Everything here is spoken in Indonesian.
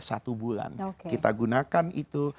satu bulan kita gunakan itu